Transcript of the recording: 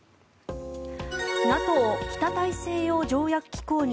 ＮＡＴＯ・北大西洋条約機構に